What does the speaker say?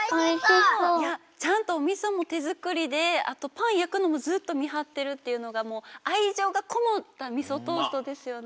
いやちゃんとみそもてづくりであとパンやくのもずっとみはってるっていうのがもうあいじょうがこもったみそトーストですよね。